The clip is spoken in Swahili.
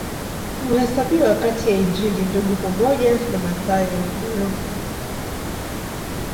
Huhesabiwa kati ya Injili Ndugu pamoja na Mathayo na Luka.